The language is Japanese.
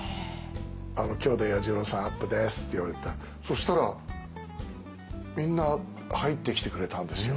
今日で彌十郎さんアップですって言われてそしたらみんな入ってきてくれたんですよ